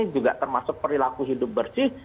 juga termasuk perilaku hidup bersih